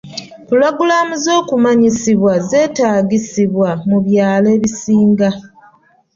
Pulogulaamu z'okumanyisibwa zeetagisibwa mu byalo ebisinga.